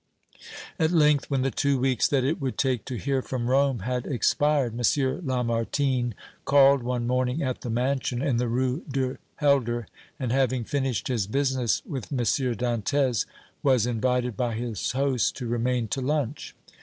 At length, when the two weeks that it would take to hear from Rome had expired, M. Lamartine called one morning at the mansion in the Rue du Helder, and having finished his business with M. Dantès was invited by his host to remain to lunch.